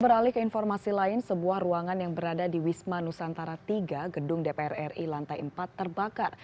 beralih ke informasi lain sebuah ruangan yang berada di wisma nusantara tiga gedung dpr ri lantai empat terbakar